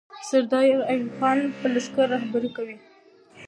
سردار ایوب خان به لښکر رهبري کوي.